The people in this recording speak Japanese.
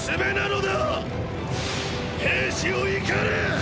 兵士よ怒れ！！